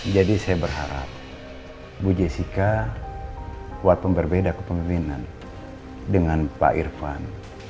jadi saya berharap bu jessica kuat pemberbeda kepemimpinan dengan pak irfan